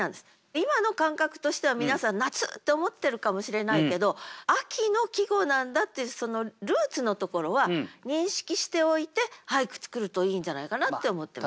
今の感覚としては皆さん夏って思ってるかもしれないけど秋の季語なんだっていうそのルーツのところは認識しておいて俳句作るといいんじゃないかなって思ってます。